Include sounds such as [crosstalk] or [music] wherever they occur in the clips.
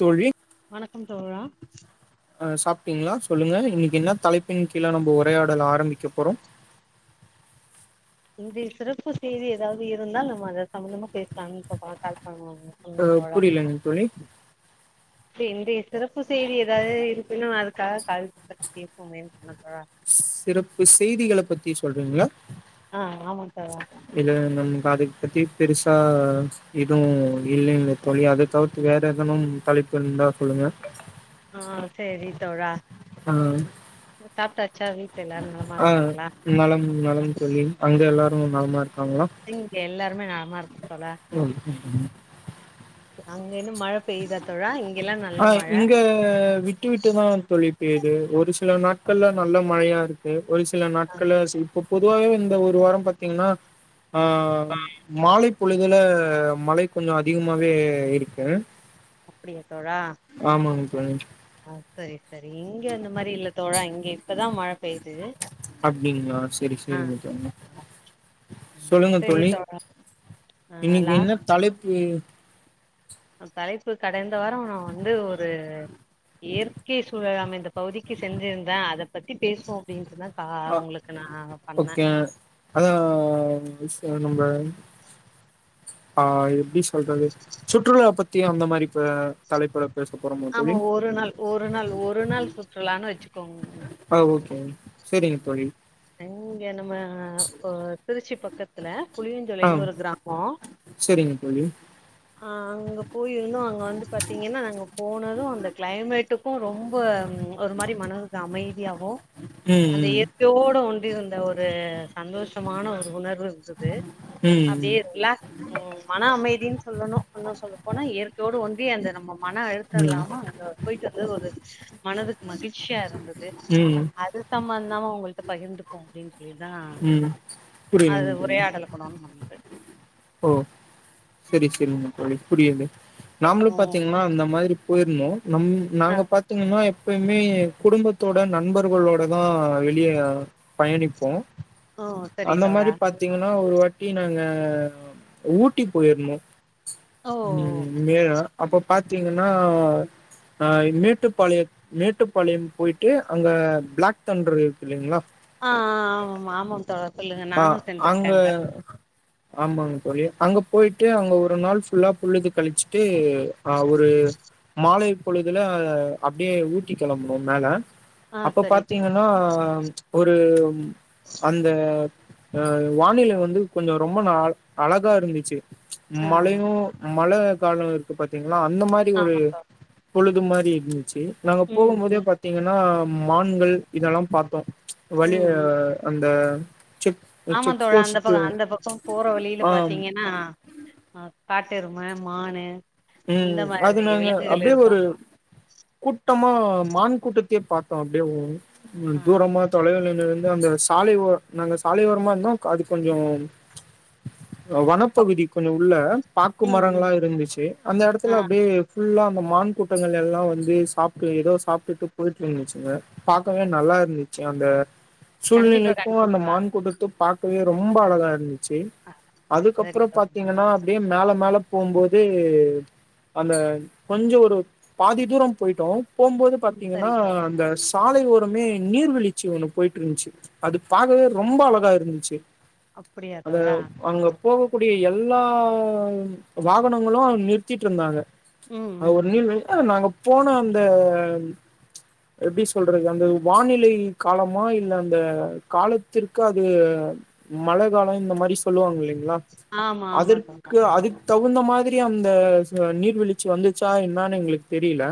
தோழி வணக்கம் தோழா அ சொல்லுங்க இன்னைக்கு என்ன தலைப்பின் கீழே நம்ம உரையாடல் ஆரம்பிக்க போறோம் இந்த சிறப்பு செய்தி ஏதாவது இருந்தால் நம்ம அத சம்மந்தமா பேசலாம்னு சொல்றலங்க கால் பண்ணுவாங்க சொல்லுங்க அஹ் தோழா புரியலங்க தோழி இன்றைய சிறப்பு செய்தி ஏதாவது இருக்குன்னா அதுக்காக கால் பன்னி கேட்கோமேன்னு சொன்னடா சிறப்பு செய்திகள பத்தி சொல்றீங்களா ஆ ஆமா தோழா இல்ல நம் காதிக்கு பத்தி பெருசா இதுவும் இல்லைகளே தோழி அத தவிர்த்து வேற எதனும் தலைப்பு இருந்தா சொல்லுங்க ஆஹ் சரி தோழா ஆஹா சாப்டாச ஆஹ் நலம் நலம் தோழி அங்க எல்லாரும் ம் நலமா எங்க வீட்டுல எல்லாரும் ருமே நலமாயிரு ஹம் அங்க இன்னும் மழை பெயுதா தோழா இங்கெல்லா நல்ல ஆஹ் மழ இங்க விட்டு விட்டுதான் தோழி பேயுது ஒரு சில நாட்கள்ல நல்ல மழையா இருக்கும் ஒரு சில ஆ நாட்களா இப்போ பொதுவாவே இந்த ஒரு வாரம் பார்த்தீங்கன்னா ஆஹ் மாலை பொழுதுல மலை கொஞ்சம் அதிகமாவே இருக்கு அப்படியா தோழா ஆமாங்க தோழி ஆஹ் சரி சரி இங்க அந்த மாரி இல்ல தோழா இங்க இப்பதான் மழை பெய்து அப்டிங்களா செரி செரிங்க ஆஹ் தோழி சொல்லுங்க சரி தோழி தோழா ஆஹ் இன்னைக்கு என்ன லாஸ்ட் தலைப்பு தலைப்பு கடைந்த வாரம் நான் வந்து ஒரு இயற்கை சூழலாம இந்த பகுதிக்கு செஞ்சிருந்தேன் அத பத்தி பேசுவோம் அப்டின்ட்டுதான் ஆஹ ஓகே அதான் சீஸ் நம்ம ஆஹ் எப்படி சொல்றது சுற்றுலா பத்தி அந்த மாரி ஹா தலைப்பு ஆமா ஒரு நாள் ஒரு நாள் ஒரு நாள் சு சுற்றுலானு வச்சுக்கோங்க ஹ ஓகே சரிங்க தோழி இங்க நம்ப ஹா திருச்சி பக்கம் பக்கத்துல ஆ புளியஞ்சோலைன்னு ஒரு கிராமம்ஹ் சரிங்க தோழி. அங்க போயிருந்தும் அங்க வந்து பாத்தீங்கன்னா நாங்க போனதும் அந்த கிளைமேட் டுக்கும் ரொம்ப ஒரு மாதிரி மனதுக்கு அமைதியாகும் ம், அந்த ம். இயற்கையோட ஒண்றி இருந்த ஒரு சந்தோஷமான ஒரு உணர்வு இருந்தது ம், அப்படியே ரிலாக்ஸ் உ மன அமைதி சொல்லணும் சொல்லப்போனா இயற்கையோடு ஒண்றி அந்த நம்ம மனம் அழுத்த ம். இல்லாம அங்க போய்ட்டு வந்து ஒரு மனதுக்கு மகிழ்ச்சியா இருந்தது ம், தாது அது சம்மந்தமா உங்கள் கிட்ட பகிர்ந்துப்போம் அப்படிதான் ம். அது புரியுதுங்க தோழி. உரையாடலக்கணும்னு சொன்னட்டு ஓ சரி சரிங்க தோழி புரியாலு நாம்மளும் பாத்தீங்கன்னா அந்த மாதிரி போய்ருந்தோம் நம் ஆ நாங்க பாத்தீங்கன்னா எப்பயுமே குடும்பத்தோட நண்பர்களோட தான் வெளிய பயணிப்போம் ஓ சரி அந்த மாதிரி தோழா பாத்தீங்கன்னா ஒரு வாட்டி நாங்க ஊட்டி போயிர்ந்தோம் ஓ உம் மே அப்போ பார்த்தீங்கன்னா மேட்டுப்பாளையம் மேட்டுப்பாளையம் போய்ட்டு அங்க பிளாக் தெண்று இருக்கு இல்லைங்களா ஆஹ் ஆமாமா ஆம தோழா சொல்லுங்க ஆ நானும் அங்க சென்றிருக்கேங்க ஆமாங்க தோழி அங்க போயிட்டு அங்க ஒரு நாள் புல்லா புழுதுக்கு கழிச்சுட்டு ஒரு மாலை இப்பொழுதுல அப்படியே ஊட்டி கிளம்பனோம் மேல ஆ அப்ப சரி பாத்தீங்கன்னா தோழா ஒரு அந்த ஆஹ் வானிலை வந்து கொஞ்சம் ரொம்ப ரொம்ப நாள் அழகா இருந்துச்சு ஆ மழையோ மழ காலம் இருக்கு பாத்தீங்கன்னா அந்த மாரி ஒரு ஆமா தோழா பொழுது அது மாரி இருக்கு சேரி நாங்க ம் போகும் போதே ம் பாத்தீங்கன்னா மான்கள் இததெல்லாம் பார்த்தோம் ம் வழியா ம் அந்த உ [inaudible] செக் செக் போஸ்ட் பக்கம் போற வழில ஆ பாத்தீங்கன்னா ஆஹ் காட்டெரும மானு இந்த உம் அது மாதிரி நாங்க விலங்குகள் அப்படியே இருக்கு ஒரு கூட்டமா மான் கூட்ட பாத்தோம் அப்படியவும் உம் ஆ தூரம்மா தொலைவுல நின்னு அந்த சாலையோ நாங்க சாலையோரமா இருந்தோ அது கொஞ்சம் வனப்பகுதி கொஞ்சம் உள்ள பாக்கு ம் ம் மரங்களாம் இருந்துச்சு அந்த ஆ எடத்துல அப்படியே புல்லா அந்த மான் கூட்டங்கள் எல்லாம் வந்து சாப்ட்டு ஏதோ சாப்ட்டுட்டு போயிட்டு இருந்துச்சிங்க பாக்கவே நல்லா இருந்துச்சு அந்த கண்டிப்பா சூழ்நிலைக்கும் அந்த கண்டிப்பா மான்கூட்டத்து பாக்கவே ரொம்ப அழகா இருந்து செரி ஆ சரி அதுக்கப்புறம் தோழா சரி பாத்தீங்கன்னா தோழா அப்படியே மேல மேல போகும்போது அந்த கொஞ்சம் ஒரு பாதி தூரம் போயிட்டோம் போகும்போது ம் பாத்தீங்கன்னா சரி தோழா அந்த சாலை ஒரு அமே நீர்வழிச்சு ஒண்ணு போயிட்டு இருந்துச்சு அது பார்க்கவே ரொம்ப அழகா இருந்துச்சு அப்படியா அந்த தோழா அங்க போகக்கூடிய எல்லா வாகனங்களும் நிறுத் திட்டு இருந்தாங்க ம் அவ ம் ஒரு நீ ம் நாங்க போன அந்த எப்படி சொல்றது அந்த வானிலை காலமா இல்ல அந்த காலத்திற்கு அது மழகாலம் இந்த மாரி சொல்வாங்க இல்லைங்களா ஆமா ஆமா தோழா அதற்கு அது தகுந்த மாதிரி அந்த நீர்வீழச்சி வந்துச்சா என்னான்னு எங்களுக்கு தெரியல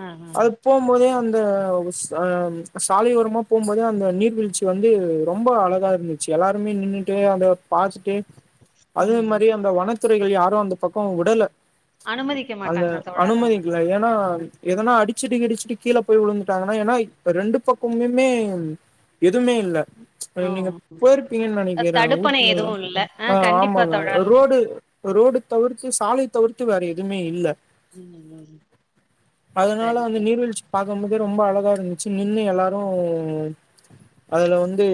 ஆ ஆ அது போகும் போதே அந்த அந்த அஹ் சாலை ஒரமா போகும்போது அந்த நீர்வீழ்ச்சி வந்து ரொம்ப அழகா இருந்துச்சு எல்லாருமே நின்ட்டு அந்த பாத்துட்டு ம் அதே ம் மாரி அந்த வனச்ச துறைகள் யாரும் அந்த பக்கம் விடல அனுமதிக்க அந்த மாட்டாங்க தோழா ஆமா அனுமதிக்கல ஏன்னா எதனா அடிச்சுடி கடிச்சுட்டு கீழே போய் விழுந்துட்டாங்கன்னா ஏன்னா ரெண்டு பக்கமுமே எதுவுமே இல்ல ஓ நீங்க போயிருப்பீங்கன்னு நெனக்கிறேன் தடுப்பணை ஊட்டிய எதுவு இல்ல ஆ ஆஹ் கண்டிப்பா ஆமாங்க தோழா ரோடு ரோடு தவிர்த்து சாலை தவிர் எத்து வேற எதுமே இல்ல ம் ம் அதனால சரி அந்த தோழா நீர்வீழ்ச்சி பாக்கும்போதே ரொம்ப அழகா இருந்ச்சு நின்னு எல்லாரு அதுல வந்து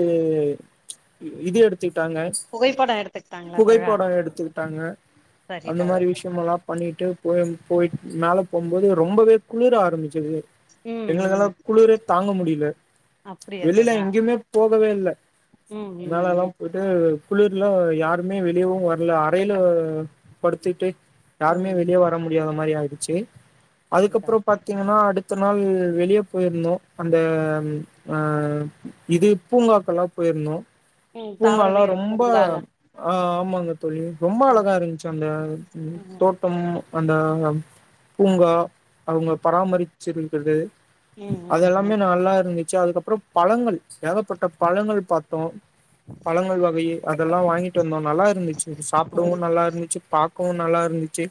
இது எடுத்து எடுத்துடாங்க புகைப்படோ எடுத்துக்கிட்டாங்களா தோழா புகைப்படம் எடுத்து தாங்க சரி அந்த தோழா மாரி சரி. விஷய எல்லா பண்ணிட்டு போய போய மேலே போகும்போது ரொம்பவே குளிர ஆரம்பிச்சது எங்களுகுலாம் குளூர் தாங்க முடியல அப்டியா வெளியில தோழா எங்கேயுமே போகவே இல்ல ம் மேல ம் தா ம் போயிட்டு குளுர்ல யாருமே வெளியவும் வரல அறயில படுத்துட்டு யாருமே ம் வெளிய ம் வர முடியாத மாரி ஆயிச்சு சேர் சரி தோழா அதுகப்பற பாத்தீங்கன்னா அடுத்த நாள் வெளிய போயிருந்தோ அந்த ஆஹ் இது பூங்காகெல்லா போயிருந்தோ ம் பூங்கா எல்லா தாவரவியல் ரொம்ப பூங்கால ஆஹ் மங்கு ரொம்ப ம் அழகா இருந்துச்சு அந்த தோட்டம் அந்த பூங்கா அவங்க பராமரிச்சிருந்தது ம் அது ம் எல்லாமே நல்லா இருந்துச்ச அதுகப்பறம் பழங்கள் ஏகபட்ட பழங்கள் பாத்தோம் பழங்கள் வகை அதெல்லா வாங்கிட்டு வந்தோ நல்லா இருந்திச்சு சாப்புடுவு ம் நல்லா இருந்திச்சு பாக் நல்லா இருந்து ச்சு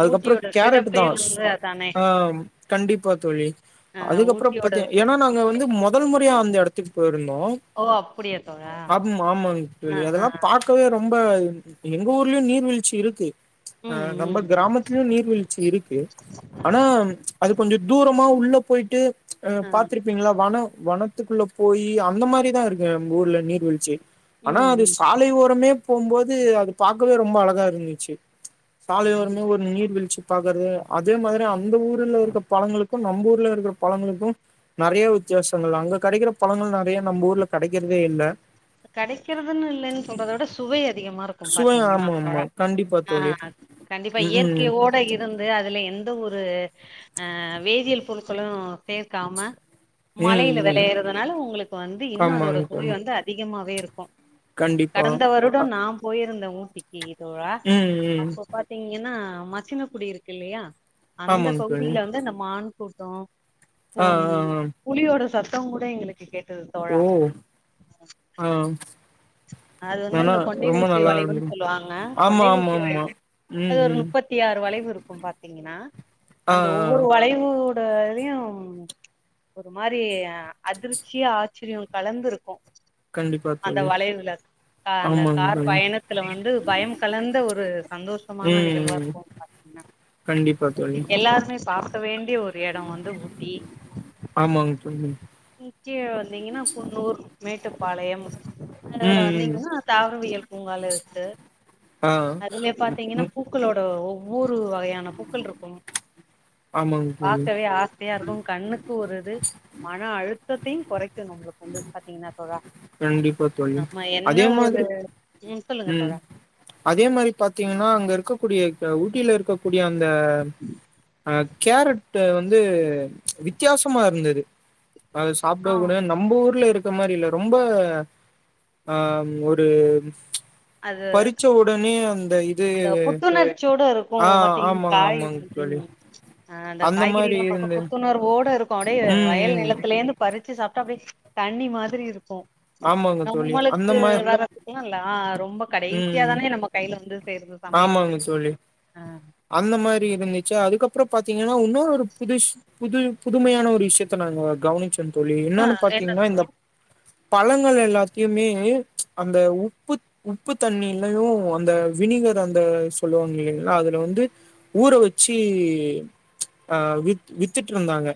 அதுக்கபுறம் ஊட்டியோட கேரட் சிறப்பே வந்து அதானே தான் கண்டிப்பா தொழில் ஆ அதுக்கப்புற ஊட்டியோட பத்த ஏன்னா சிறப் நாங்க வந்து முதல் முறை அந்த இடத்துக்கு இருந்தோம் ஓ அப்டியா தோழா ஆமா-ஆமா தெ ஆ ஆ அதெல்லா பார்கவே ரொம்ப ரொம்ப எங்க ஊர்களும் நீர்வீழ்ச்சி இருக்கு ம் நம்ம ம் ம் கிராமத்திலும் நீர்வீழ்ச்சி இருக்கு ஆனா அது கொஞ்ச தூர உள்ள போயிட்டு அஹ ஆ பாத்துரிப்பீங்களா வனம் வனத்துக்குள்ள போய் அந்த மாரி தான் இருக்கு எங்க ஊர்ல நீர்வீழ்ச்சி ஆனா ம் அது ம் ஸ்சாலை ஓரமே போம் போது அது பார்க்கவே ரொம்ப அழகா இருந்துச்சு சாலை ஓரமே கண்டிப்பா ஒரு நீர்வீழ்ச்சி பாக்குறது அது மாதிரிஅந் இந்த ஊர்ல இருக்க பழங்களுக்கு நம்ம ஊர்ல இருக்கிற பழங்களுக்கும் நிறைய வித்தியாசங்கள் அங்க கிடைக்கிற பழங்கள் நிறைய நம்ம ஊர்ல கிடைக்கிறதே இல்லா கேடைக்கிறதுன்னு இல்லைன்னு சொல்றதை விட சுவை அதிகமா இருக்கும் சுவை பாத்தீங்கன்னா ஆமா பழ ஆமா கண்டிப்பா ஆஹ் தோழி ஆஹ் கண்டிப்பா ம் ம் இயற்கையோட இருந்து அதுல எந்த ஒரு அஹ வேதியியல் பொருட்களும் சேர்க்காம ம் மலையில ம் விளையறதுனால உங்களுக்கு வந்து இன்னும் அதோட ஆமாங்க தோழி சுவைவந்து அதிக சும்மாவே இருக்கும் கண்டிப்பா கடந்த அ வருடம் நான் போயிருந்தேன் ஊட்டி இகோவா ம் ம் அப்ப பாத்தீங்கன்னா மச்சின குடி இருக்கு இல்லையா அந்த ஆமாங்க தோழி பகுதியில் இருந்து இந்தந்த மான்கூடு ஆ உம் ஆ உம் ஆ புளியோட சத்த சத்தம் கூட எங்களுக்கு கேட்டது தோழா ஆஹ்ம் அது வந்து அந்த கொண்டை ஊசி வளைவுன்னு இருந்துரு சொல்லுவாங்க ஆமா கொண்டை ஆமா ஊசி ஆமா வளைவு அது ம் ஒரு ம் முப்பத்தி ஆறு வளைவு இருக்கும் பாத்தீங்கன்னா ஆ அந்த ஆ ஒவ்வொரு வளைவு யயும் ஒரு மாதிரி அதிர்ச்சியா ஆச்சரியம் கலந்திருக்கும் கண்டிப்பா தோழி அ அந்த ஆமாங்க கார் தோழி ம் பயணத்துல வந்து பயம் கலந்த ஒரு சந்தோஷமான நிகழ்வா ம் இருக்கும் பாத்தீங்கன்னா கண்டிப்பா தோழி எல்லாருமே பாக்க வேணும் வேண்டிய ஒரு எடம் வந்து ஊட்டி ஆமாங்க தோழி முக்கியம் வந்தீங்கன்னா குன்னூர் மேட்டுப்பாளையம் அதுல ம் ம் வந்தீங்கன்னா தாவரவியல் உங்காளுட்டு ஆ அதுல பாத்தீங்கன்னா ம் பூக்களோட ஒ நூறு வகையான பூக்கள் இருக்கும் ஆமாங்க தோழி பாக்கவே ஆசையா இருக்கும் கண்ணு போறது மண னா அழுத்தத்தையு கொறைக்கும் நம்ளுக்கு வந்து பாத்தீங்கனா தோழா கண்டிப்பா தோழி நம்ம என்ன அதே ஒரு மாதிரி ம் சொல்லுங்க உம் தோழா அதே மாரி பாத்தீங்கனா அங்க இருக்க கூடிய ஊட்டில்ல இருக்கக் அந்த கேரட் வந்து வந்து வித்தியாசமா இருந்தது அது சாப்பிட ஆ கூட நம்ம ஊர்ல இருக்க அது மாரில்ல ரொம்ப ஆஹ் ஒரு அது பறிச்ச உடனே அந்த இது புத்துணர்ச்சியோட இருக்கு ஆஹ் ஆமாங்க ஆமாங்க தோழி அஹ் அந்த மாரி காய்கறிலாபாத்தா இருந்தது. புத்துணர்வோட இருக்கொ அப்டியே ம், வயல் ம். நிலத்தில இருந்து பறி வச்சு சாப்டா அப்டியே தண்ணி மாதிரி இருக்கொ ஆமாங்க தோழி. அந்த நம்மளுக்கு மா வேறது இல்ல ரொம்ப கடைசியா ம். தானே நம்ம கையில வந்து சேர்து சமையலுக்கு ஆமாங்க தோழி. ஆஹ் சே அதுக்கப்றோ பாத்தீங்கனா உன்னோ ஒரு புதுசு வி புது புதுமையான ஒரு விஷயத்த நாங்க கவுனிச் ச்ச தோழி ஆ என்னன்னு என்ன பாத்தீங்கனா இந்த ப்ரோ பழங்கள் எல்லாதியுமே அந்த உப்புத் உப்புத் தண்ணிலையு அந்த வினிகர் அந்த சொல்லுவாங்க இலிங்கில அதுல வந்து ஊற வச்சு அஹ் வித் வித்துட்டுஇருந்தாங்க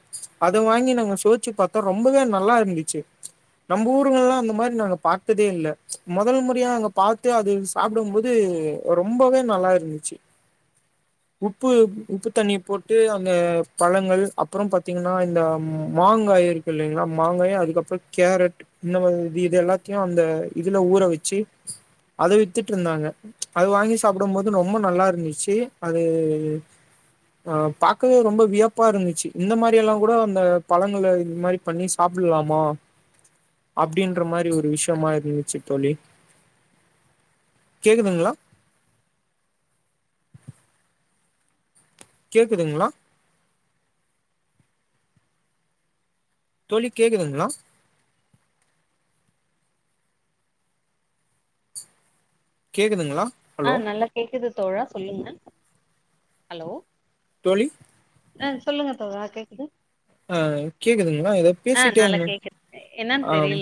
அத வாங்கி நாங்க சுவைச்சு பாத்தா ரொம்பவே நல்லா இருந்துச்சு நம்ம ஊருங்கல்லா அந்த மாரி நாங்க பார்த்ததே இல்ல மொதல் முறையா அங்க பாத்து அது சாப்டும்போது ரொம்பவே நல்லாஇருந்துச்சு உப்பு உப்பு தண்ணி போட்டு அந்த பழங்கள் அப்றோ பாத்தீங்னா இந்த மாங்காய் இருக்கு இல்லைங்களா மாங்காய அதுக்கப்றோ கேரட் இந்த மா அது இது எல்லாத்தியு அந்த இதுல ஊற வச்சு அத வித்துட்ருந்தாங்க அது வாங்கி சாப்டும் போது ரொம்ப நல்லா இருந்துச்சு அது ஆஹ் பாக்கவே ரொம்ப வியப்பா இருந்துச்சு இந்த மாரி எல்லா கூட அந்த பழங்கள்ள இது மாரி பண்ணி சாப்புல்லாமா அப்டின்ற மாரி ஒரு விஷயமா இருந்துச்சு தோழி கேக்குதுங்ளா கேக்குதுங்களா தோழி கேக்குதுங்ளா கேக்குதுங்களா ஹலோ ஆஹ் நல்லா கேக்குது தோழா சொல்லுங்க ஹலோ தோழி ஆஹ் சொல்லுங்க தோழா கேக்குது ஆஹ் கேக்குதுங்ளா ஏதோ ஆ பேசிட்டே நல்லா இருந்தோ கேக்குது ஆம்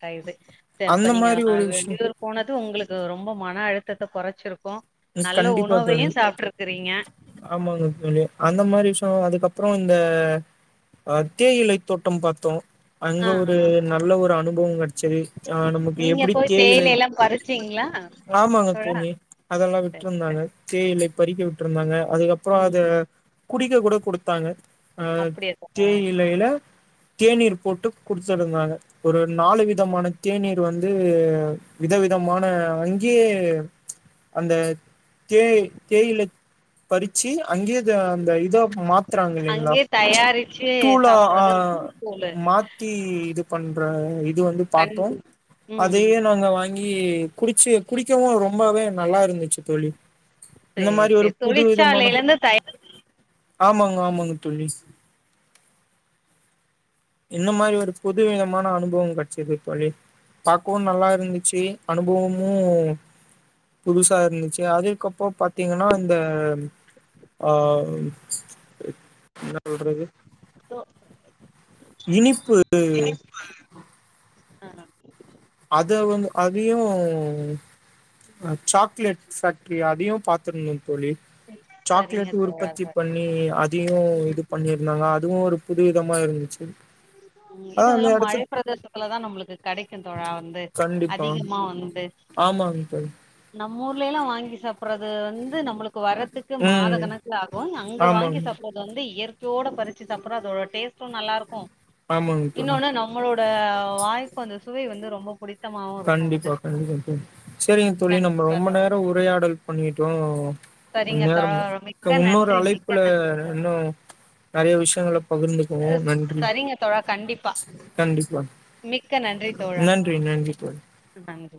கட்டயிது தா இப்ப அந்த நீங்க மாரி ஒரு விஷயம். வெளியூர் போனது உங்களுக்கு ரொம்ப மனஅழுத் விஷத்த கொறச்சிருகம் மிஸ் கண்டிப்பா தோழி ஆமாங்க தோழி அந்த மாரி சோம் அதுக்கப்றோம் இந்த தேயிலை தோட்டம் பாத்தோ அங்க ஆ ஆ. ஒரு நல்ல ஒரு அனுபவம் கெடச்சது ஆஹ் நமக்கு நீங்க எப்டி போய் தேயிலை எல்லா பறிச்சீங்களா ஆமாங்க தோழா தோலி எல்லாம் சரி விக்கியும் இன்னங்க சரி தேயிலை பறிக்க விட்டுருந்தாங்க அதுகப்றம் ம் அத ம் குடிக்க கூட குடுத்தாங்க அஹ் அப்டியா தோழா தேயிலைல தேநீர் போட்டு குடுத்துருந்தாங்க ஒரு நாலு விதமான தேநீர் வந்து விதவிதமான அங்கேயே அந்த தே தேயில பறிச்சு அங்கே இத அந்த இத மாத்துறாங்க இல்லைங்களா அங்கயே தயாரிச்சு தூளா சாப்டுறது ஆஹ தோழு மாத்தி இது பண்ற வந்து கண் பார்த்தோம் ம் அதையே ம் நாங்க வாங்கி குடிச்சு குடிக்கவும் ரொம்பவே நல்லா இருந்துச்சு தோழி இந்த செர் மாரி செர் தொழிற்சாலை இருந்து தாயார் ஆமாம் ஆமாங்க தோழி என்ன மாதிரியான ஒரு புது அனுபவம் கெடச்சது தோழி பாக்கவும் நல்ல இருந்துச்சு அனுபவமும் புதுசா இருந்துச்சு அதுக்கப்போம் பாத்தீங்கன்னா இந்த ஆஹ் என்ன சொல்றது இனிப்பு ஆஹ் அத வந்து அதையும் சாக்லேட் பேக்டரி அதையும் பாார்த்த தோழி சரிங்க சாக்லேட் தோழா உற்பத்தி சரிங்க பண்ணி தோழா அதயும் இது பண்ணியிருந்தாங்க அதுவும் ஒரு புது விதமா இருந்துச்சு ஆ அந்த இதுல்லாம் மழை எடத்துல பிரதேசத்துலதான் நம்மளுக்கு கெட தோழா வந்து கண்டிப்பா அதிகமா வந்து ஆமாங்க தோழி நம்ம ஊர்ல எல்லாம் வாங்கி சாப்பிடுறது அது வந்து நம்மளுக்கு வரதுக்கு மாத ம் கணக்குல ஆகும் அங்க வாங்கி ஆமாங்க சாப்பிட்றது வந்து இயற்கை சோட பறிச்சு சாப்புறா அதோட டேஸ்ட்டும் நல்லா இருக்கும் ஆமாங்க தோழி இன்னொன்னு நம்மளோட வாய்ப்பு வந்து சுவை வந்து ரொம்ப புடி கண்டிப்பா கண்டிப்பா சரிங்க தொழி நம்ம கண்டிப்பா ரொம்ப தோழா நேரம் உரையாடல் பண்ணிட்டோம் சரிங்க இந்நேரம் தோழா மிக்க இன்னொரு நன்றி மிக்க அழைப்புல நன்றி தோழா இன்னும் நெறைய விஷயங்கல பகிர்ந்துக்குவோம் நன்றி சரிங்க தோழா கண்டிப்பா கண்டிப்பா நன்றி நன்றி அதவது